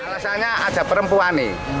rasanya ada perempuan nih